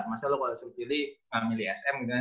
masa lu kalau seri pilih gak milih sm gitu kan